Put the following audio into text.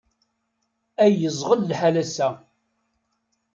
Ay yeẓɣel lḥal ass-a!